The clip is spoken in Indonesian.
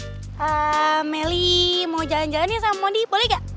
eeeh meli mau jalan jalanin sama mody boleh gak